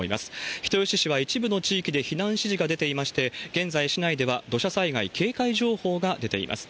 人吉市は一部の地域で避難指示が出ていまして、現在、市内では土砂災害警戒情報が出ています。